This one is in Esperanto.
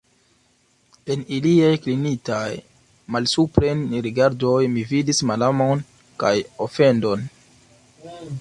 En iliaj klinitaj malsupren rigardoj mi vidis malamon kaj ofendon.